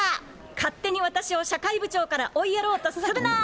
勝手に私を社会部長から追いやろうとするな！